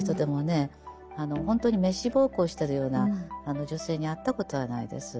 ほんとに滅私奉公してるような女性に会ったことはないです。